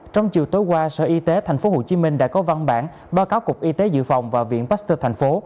trong chiều tối qua sở y tế tp hcm đã có văn bản báo cáo cục y tế dự phòng và viện pasteur tp